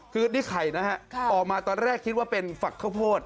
คือนี่ไข่นะฮะออกมาตอนแรกคิดว่าเป็นฝักข้าวโพด